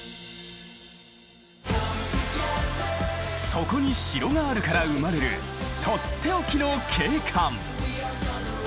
そこに城があるから生まれる取って置きの景観。